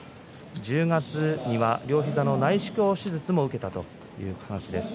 １０月には、両膝の内視鏡手術を受けたという話です。